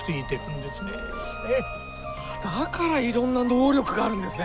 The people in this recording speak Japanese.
だからいろんな能力があるんですね。